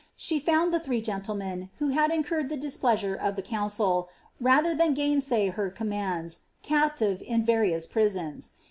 She found the three gendenoen, who had incurred the displeasure of the council, mther than gainsay her cob mands, captives in various prisons.